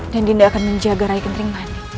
dan dinda akan menjaga rakyat kentering mani